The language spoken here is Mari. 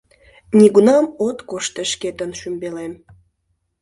«Нигунам от кошт тый шкетын, шӱмбелем...»